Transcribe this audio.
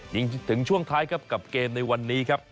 ยิงถึงช่วงท้ายครับกับเกมในวันนี้ครับ